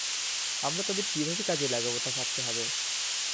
আমরা তাদের কীভাবে কাজে লাগাব তা ভাবতে হবে।